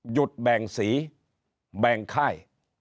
หยุดแบ่งสีแบ่งค่าย